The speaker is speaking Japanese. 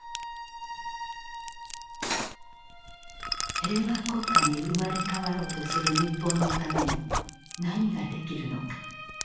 平和国家に生まれ変わろうとする日本のために何ができるのか。